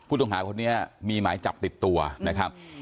ต้องหาคนนี้มีหมายจับติดตัวนะครับ